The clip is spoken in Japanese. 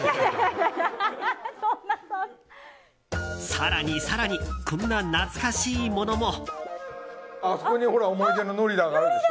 更に更にこんな懐かしいものも。